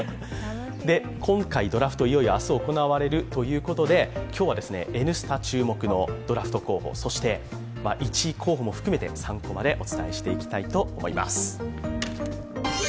今回、明日ドラフト会議いよいよ行われるということで「Ｎスタ」注目選手、そして１位候補も含めて３コマでお伝えしていきたいと思います。